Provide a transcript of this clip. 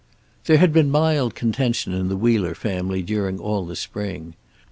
There had been mild contention in the Wheeler family during all the spring.